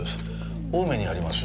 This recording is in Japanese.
青梅にあります